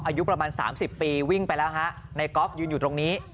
อายุประมาณ๓๐ปีวิ่งไปแล้วฮะในกอล์ฟยืนอยู่ตรงนี้